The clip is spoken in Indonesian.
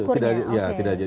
tidak jadi tolak ukurnya